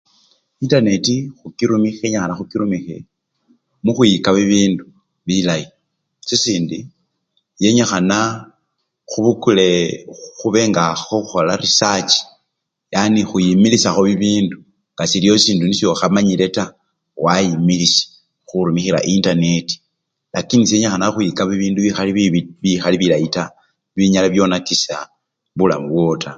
Intaneti khukiru! yenyikhana khukirumikhe mukhwiyika bibindu bilayi sisindi yenyikhana khubukule khu! h! khube nga khekhulo resarchii, yani khuyimilishakho bibindu nga siliyo sisindu niyo okhamanyile taa wayimilisha khurumikhila intaneti lakini seyenyikhana khukhwiyika bindu bikhali bila! bibi binyala byonakisha bulamu bwowo taa.